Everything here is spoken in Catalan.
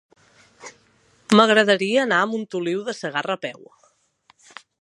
M'agradaria anar a Montoliu de Segarra a peu.